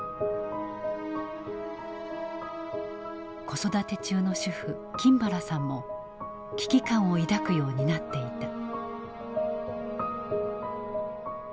子育て中の主婦金原さんも危機感を抱くようになっていた。